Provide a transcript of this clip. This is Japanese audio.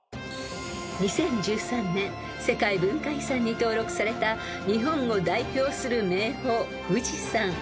［２０１３年世界文化遺産に登録された日本を代表する名峰富士山］